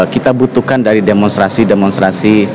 kita butuhkan dari demonstrasi demonstrasi